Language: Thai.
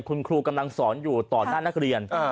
คุณครูกำลังสอนอยู่ต่อหน้านักเรียน